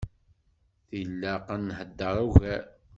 Tilaq ad nḥader ugar.